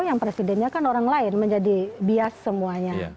yang presidennya kan orang lain menjadi bias semuanya